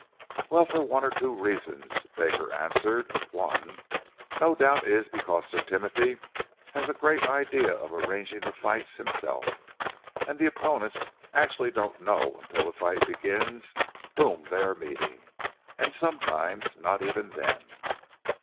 "Well, for one or two reasons," Baker answered. "One, no doubt, is because Sir Timothy has a great idea of arranging the fights himself, and the opponents actually don't know until the fight begins whom they are meeting, and sometimes not even then.